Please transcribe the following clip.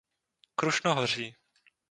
Krušnohoří.